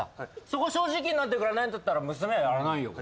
そこ正直になってくれないんだったら娘はやらないよ。